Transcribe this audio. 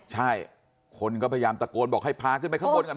ใช่คนก็พยายามตะโกนบอกให้พาขึ้นไปข้างบนกัน